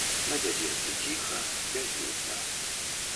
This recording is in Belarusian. На дзядзінцы ціха, бязлюдна.